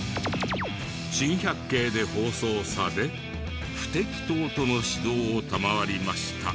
「『珍百景』で放送され不適当との指導を賜りました」